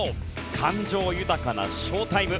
感情豊かなショータイム。